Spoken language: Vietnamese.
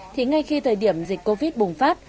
thì ngay khi thời điểm dịch covid bùng phát